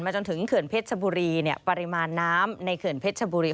จนถึงเขื่อนเพชรชบุรีเนี่ยปริมาณน้ำในเขื่อนเพชรชบุรี